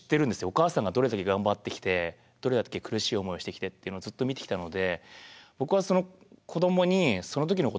お母さんがどれだけ頑張ってきてどれだけ苦しい思いをしてきてっていうのをずっと見てきたので僕はその子どもにその時のことを教えてあげられるなって。